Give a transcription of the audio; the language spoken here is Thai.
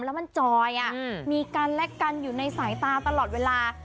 แล้วมันจอยมีกันและกันอยู่ในสายตาตลอดเวลา